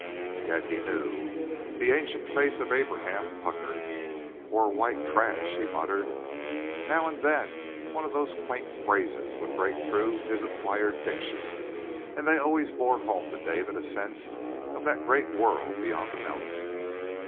"Yet he knew." The ancient face of Abraham puckered. "Po' white trash!" he muttered. Now and then one of these quaint phrases would break through his acquired diction, and they always bore home to David a sense of that great world beyond the mountains.